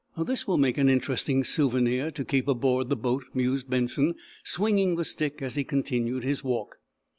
"This will make an interesting souvenir to keep aboard the boat," mused Benson, swinging the stick as he continued his walk.